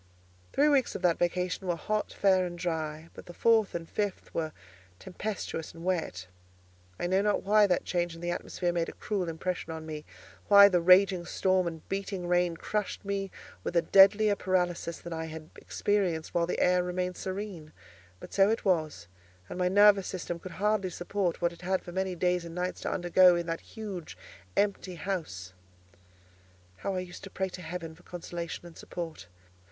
Three weeks of that vacation were hot, fair, and dry, but the fourth and fifth were tempestuous and wet. I do not know why that change in the atmosphere made a cruel impression on me, why the raging storm and beating rain crushed me with a deadlier paralysis than I had experienced while the air had remained serene; but so it was; and my nervous system could hardly support what it had for many days and nights to undergo in that huge empty house. How I used to pray to Heaven for consolation and support!